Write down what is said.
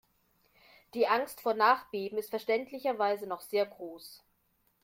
Die Angst vor Nachbeben ist verständlicherweise noch sehr groß.